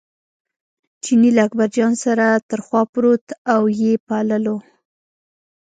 چیني له اکبرجان سره تر خوا پروت او یې پاللو.